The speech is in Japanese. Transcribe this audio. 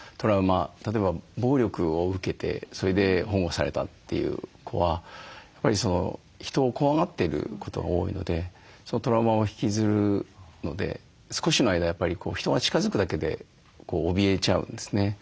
例えば暴力を受けてそれで保護されたという子はやっぱり人を怖がってることが多いのでそのトラウマを引きずるので少しの間やっぱり人が近づくだけでおびえちゃうんですね。